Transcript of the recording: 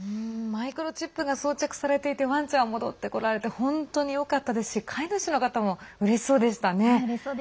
マイクロチップが装着されていてワンちゃん戻ってこられて本当によかったですし飼い主の方もうれしそうでしたね。